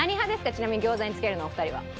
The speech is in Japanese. ちなみに餃子につけるのお二人は。